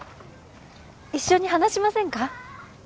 一緒に話しませんか？